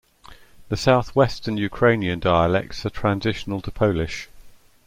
The southwestern Ukrainian dialects are transitional to Polish.